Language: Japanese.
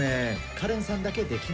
カレンさんだけ「できない」。